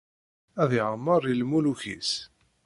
Ad yameṛ i lmuluk-is.